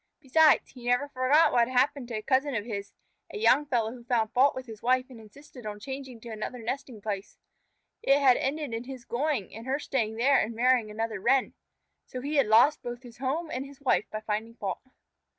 Besides, he never forgot what had happened to a cousin of his, a young fellow who found fault with his wife and insisted on changing to another nesting place. It had ended in his going, and her staying there and marrying another Wren. So he had lost both his home and his wife by finding fault.